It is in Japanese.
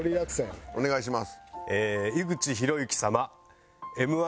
お願いします。